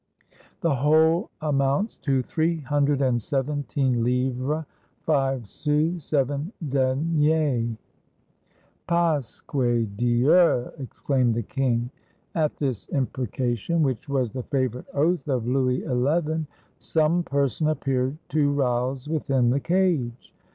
" The whole amounts to three hundred and seventeen livres, five sous, seven deniers," 212 WHERE LOUIS XI SAID HIS PRAYERS " Pasque Dieu!" exclaimed the king. At this impreca tion, which was the favorite oath of Louis XI, some person appeared to rouse within the cage.